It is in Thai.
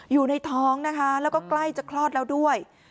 อยู่ในท้องนะคะแล้วก็ใกล้จะคลอดแล้วด้วย